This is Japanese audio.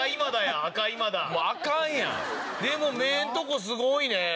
でも目のとこすごいね。